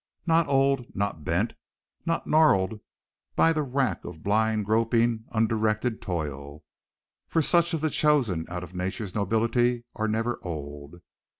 Not old, not bent, not gnarled by the rack of blind groping, undirected toil, for such of the chosen out of nature's nobility are never old.